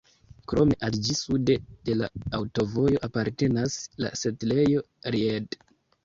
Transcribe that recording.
Krome al ĝi sude de la aŭtovojo apartenas la setlejo Ried.